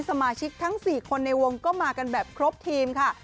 สมาชิกทั้ง๔คนในวงก็มากันแบบครบทีมค่ะ